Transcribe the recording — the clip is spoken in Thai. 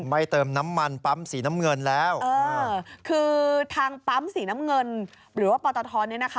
ไม่เติมน้ำมันปั๊มสีน้ำเงินแล้วคือทางปั๊มสีน้ำเงินหรือว่าปอตทเนี่ยนะคะ